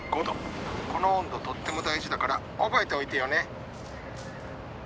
この温度とっても大事だから覚えておいてよね！